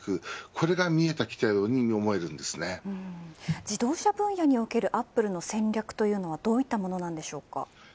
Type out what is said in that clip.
これが自動車分野におけるアップルの戦略というのはどういったものでしょうか。